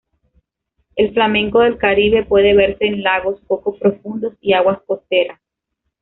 El flamenco del Caribe puede verse en lagos poco profundos y aguas costeras.